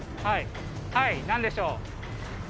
はい何でしょう？